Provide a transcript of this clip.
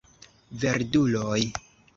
Verduloj!